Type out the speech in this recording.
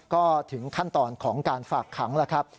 ก็ถึงขั้นตอนของการฝากขังแล้วครับ